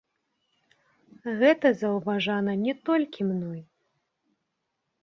Гэта заўважана не толькі мной.